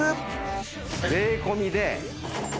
税込みで。